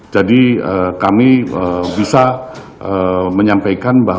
jadi kami bisa menyampaikan bahwa